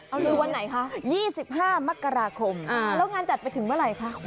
เอาลือวันไหนคะ๒๕มกราคมแล้วงานจัดไปถึงเมื่อไหร่คะ